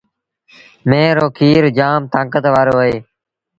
ميݩهن رو کير جآم تآݩڪت وآرو اهي۔